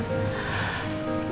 oke iya pak